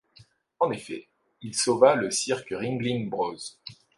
En effet, il sauva le cirque Ringling Bros.